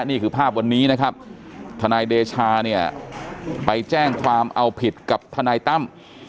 นี่คือภาพวันนี้นะครับทนายเดชาเนี่ยไปแจ้งความเอาผิดกับทนายตั้ม